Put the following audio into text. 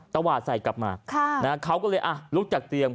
ตวาดใส่กลับมาเขาก็เลยลุกจากเตียง